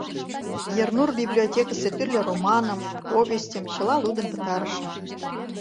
Ернур библиотекысе тӱрлӧ романым, повестьым чыла лудын пытарышым.